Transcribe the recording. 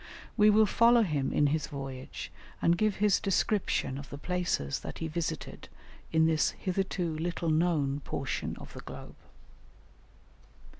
We will follow him in his voyage and give his description of the places that he visited in this hitherto little known portion of the globe.